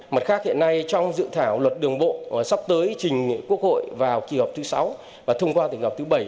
mặt khác hiện nay trong dự thảo luật đường bộ sắp tới trình quốc hội vào kỳ họp thứ sáu và thông qua tỉnh học thứ bảy